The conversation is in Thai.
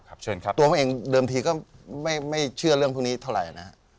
ละครับตัวผมเองเคยดินทีก็ไม่เชื่อเรื่องพวกนี้เท่าไรนะนะ